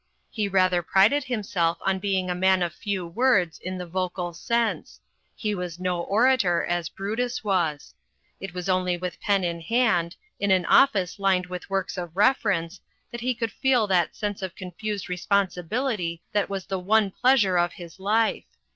He rather prided himself on being a man of few words, in the vocal sense; he was no orator, as Brutus was. It was only with pen in hand, in an office lined with works of reference, that he could feel that sense of confused responsibility that was the one pleasure of his life.